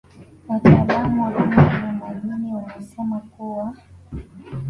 Wataalamu wa viumbe vya majini wanasema kuwa